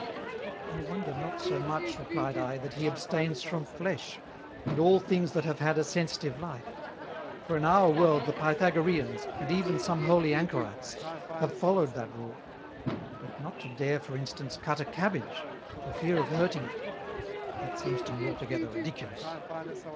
"I wonder not so much," replied I, "that he abstains from Flesh, and all things that have had a sensitive Life: For in our World the Pythagoreans, and even some holy Anchorites, have followed that Rule; but not to dare, for instance, cut a Cabbage, for fear of hurting it; that seems to me altogether ridiculous."